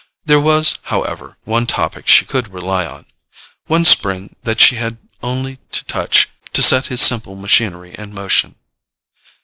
There was, however, one topic she could rely on: one spring that she had only to touch to set his simple machinery in motion.